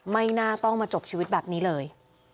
ไม่น่าต้องมาจบชีวิตแบบนี้เลย